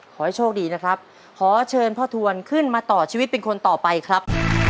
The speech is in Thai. ขอให้โชคดีนะครับขอเชิญพ่อทวนขึ้นมาต่อชีวิตเป็นคนต่อไปครับ